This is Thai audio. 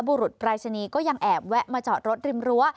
บุรุษปรายศนีย์ก็ยังแอบแวะมาจอดรถริมรั้ว